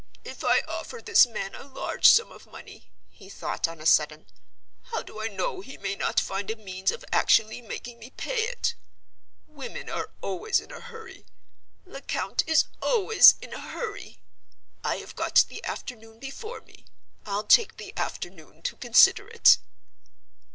"If I offer this man a large sum of money," he thought, on a sudden, "how do I know he may not find a means of actually making me pay it? Women are always in a hurry. Lecount is always in a hurry. I have got the afternoon before me—I'll take the afternoon to consider it."